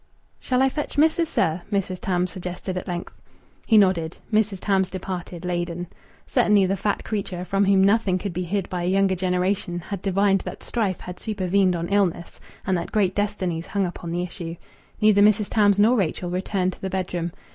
"Shall I fetch missis, sir?" Mrs. Tams suggested at length. He nodded. Mrs. Tams departed, laden. Certainly the fat creature, from whom nothing could be hid by a younger generation, had divined that strife had supervened on illness, and that great destinies hung upon the issue. Neither Mrs. Tams nor Rachel returned to the bedroom.